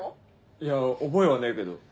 いや覚えはねえけど。